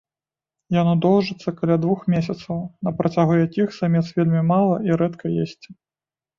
Яно доўжыцца каля двух месяцаў, на працягу якіх самец вельмі мала і рэдка есці.